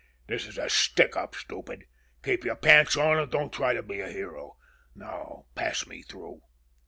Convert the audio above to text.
"This is a stick up, stupid.... Keep your pants on an' don't try to be a hero. Now, pass me through!"